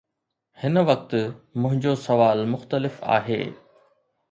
هن وقت، منهنجو سوال مختلف آهي.